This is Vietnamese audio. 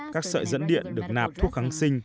các sợi dẫn điện được nạp thuốc kháng sinh